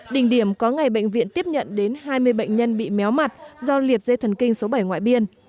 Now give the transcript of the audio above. đỉnh điểm có ngày bệnh viện tiếp nhận đến hai mươi bệnh nhân bị méo mặt do liệt dây thần kinh số bảy ngoại biên